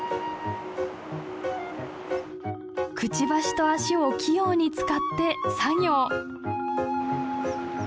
くちばしと脚を器用に使って作業。